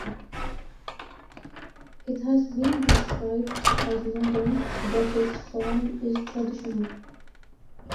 It has been described as modern but its form is traditional.